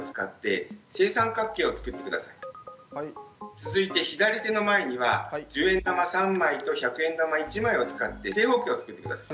続いて左手の前には１０円玉３枚と１００円玉１枚を使って正方形を作って下さい。